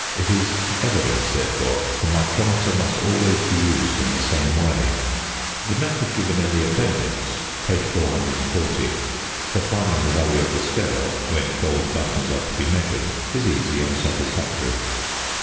It is evident, therefore, the micrometer must always be used in the same way. The method given in the appendix (page 440), for finding the value of the scale when gold buttons are to be measured is easy and satisfactory.